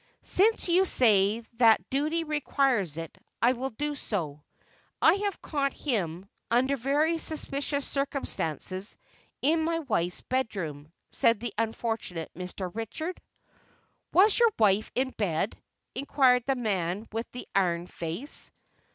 "Since you say that duty requires it, I will do so. I have caught him, under very suspicious circumstances, in my wife's bedroom," said the unfortunate Mr. Richard. "Was your wife in bed?" inquired the man with the iron face.